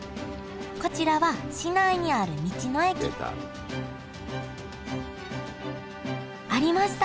こちらは市内にある道の駅ありました！